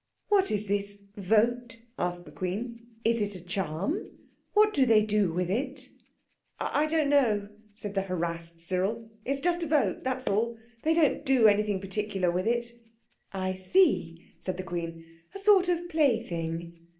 "What is this vote?" asked the Queen. "Is it a charm? What do they do with it?" "I don't know," said the harassed Cyril; "it's just a vote, that's all! They don't do anything particular with it." "I see," said the Queen; "a sort of plaything.